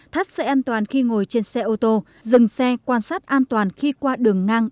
thắt xe an toàn khi ngồi trên xe ô tô dừng xe quan sát an toàn khi qua đường ngang